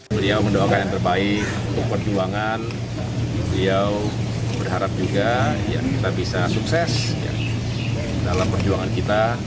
beliau mendoakan yang terbaik untuk perjuangan beliau berharap juga kita bisa sukses dalam perjuangan kita